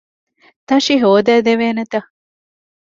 ތަށި ހޯދައިދެވޭނެތަ؟